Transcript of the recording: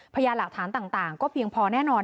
ประญาตรฐานต่างก็เพียงพอแน่นอน